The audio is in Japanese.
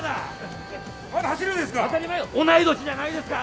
まだ走るんですか？